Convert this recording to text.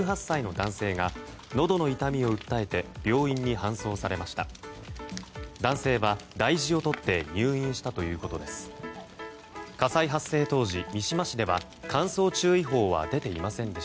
男性は大事をとって入院したということです。